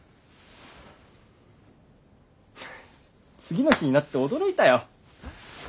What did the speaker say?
次の日になって驚いたよ。